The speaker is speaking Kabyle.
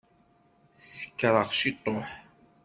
Sekṛeɣ ciṭuḥ.